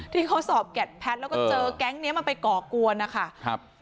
ที่เขาสอบแก๊ดแพทแล้วก็เจอแก๊งนี้มาไปก่อกวนค่ะ